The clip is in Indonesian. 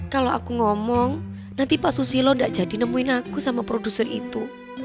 kalau aku ngomong nanti pak susilo tidak jadi nemuin aku sama produser itu